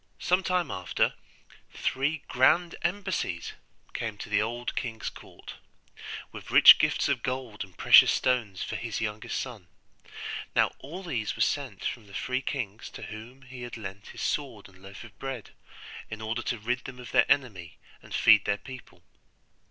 Some time after, three grand embassies came to the old king's court, with rich gifts of gold and precious stones for his youngest son; now all these were sent from the three kings to whom he had lent his sword and loaf of bread, in order to rid them of their enemy and feed their people.